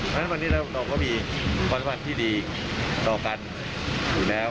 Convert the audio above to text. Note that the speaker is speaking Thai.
แต่วันนี้เราก็มีความสัมพันธ์ที่ดีต่อกันอยู่แล้ว